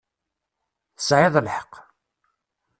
Tesɛiḍ lḥeqq.